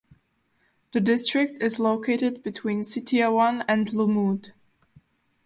The district is located between Sitiawan and Lumut.